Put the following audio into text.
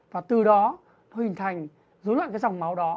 và từ đó nó hình thành dối loạn cái dòng máu đó